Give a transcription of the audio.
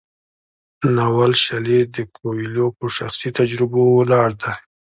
د ناول شالید د کویلیو په شخصي تجربو ولاړ دی.